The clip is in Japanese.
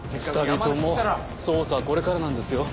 ２人とも捜査はこれからなんですよ？